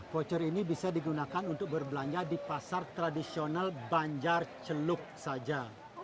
voucher ini bisa digunakan untuk berbelanja di pasar tradisional banjar celuk saja